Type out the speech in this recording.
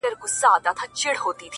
د سل سره اژدها په كور كي غم وو-